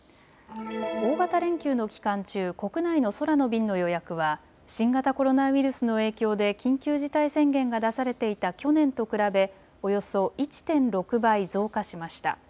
大型連休の期間中、国内の空の便の予約は新型コロナウイルスの影響で緊急事態宣言が出されていた去年と比べおよそ１．６倍増加しました。